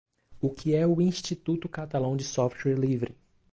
O que é o Instituto Catalão de Software Livre?